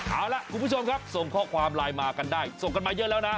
เอาล่ะคุณผู้ชมครับส่งข้อความไลน์มากันได้ส่งกันมาเยอะแล้วนะ